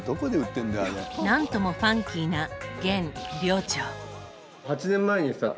何ともファンキーな現寮長。